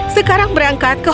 sekarang berada di indonesia